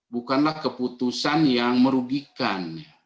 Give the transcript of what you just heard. bukanlah keputusan yang merugikannya